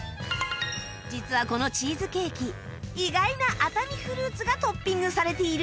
実はこのチーズケーキ意外な熱海フルーツがトッピングされているんです